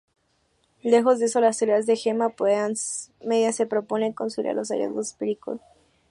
Lejos de eso, las teorías de gama media se proponen consolidar los hallazgos empíricos.